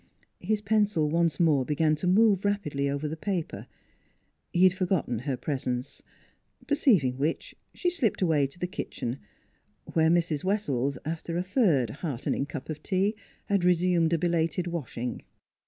His pencil once more began to move rapidly over the paper. He had forgotten her presence ; perceiving which she slipped away to the kitchen, where Mrs. Wessells, after a third heartening cup of tea, had resumed a belated washing.